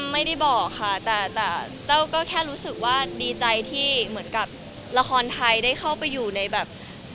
ไม่ได้บอกค่ะแต่แต้วก็แค่รู้สึกว่าดีใจที่เหมือนกับละครไทยได้เข้าไปอยู่ในแบบ